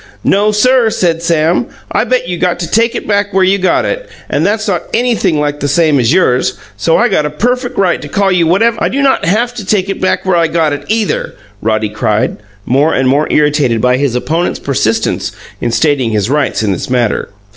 "No, sir," said Sam; "I bet you got to take it back where you got it, and that's not anything like the same as yours; so I got a perfect right to call you whatev " "I do NOT haf to take it back where I got it, either!" Roddy cried, more and more irritated by his opponent's persistence in stating his rights in this matter.